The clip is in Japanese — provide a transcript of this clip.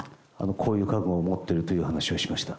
こういう覚悟を持ってるという話をしました。